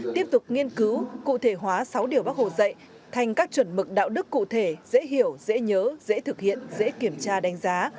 tiếp tục nghiên cứu cụ thể hóa sáu điều bác hồ dạy thành các chuẩn mực đạo đức cụ thể dễ hiểu dễ nhớ dễ thực hiện dễ kiểm tra đánh giá